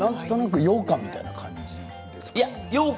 ようかんみたいな感じですか。